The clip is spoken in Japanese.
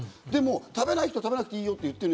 食べたくない人は食べなくていいよと言ってる。